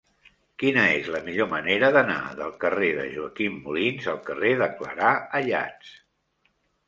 Quina és la millor manera d'anar del carrer de Joaquim Molins al carrer de Clarà Ayats?